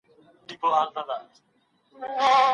ډاکټر فریدون وايي، حاده درملنه د ناروغ لپاره ده.